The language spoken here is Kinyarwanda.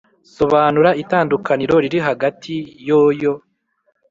sobanura itandukaniro riri hagati yoyo